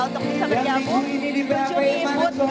untuk bisa berjabung